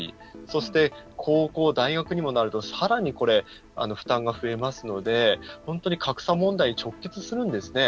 そして、高校、大学にもなるとさらに負担が増えますので本当に格差問題に直結するんですね。